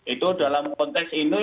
itu dalam konteks ini